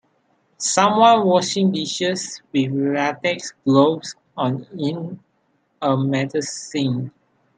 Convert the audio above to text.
Someone washing dishes with latex gloves on in a metal sink.